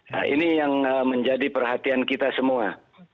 nah ini yang menjadi perhatian kita semua